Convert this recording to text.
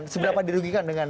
seberapa dirugikan dengan